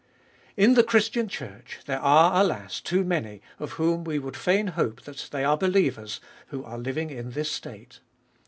In the Christian Church, there are, alas, too many, of whom we would fain hope that they are believers, who are living in this state.